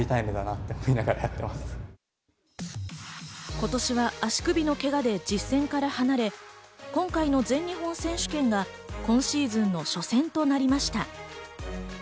今年は足首のけがで実戦から離れ、今回の全日本選手権が今シーズンの初戦となりました。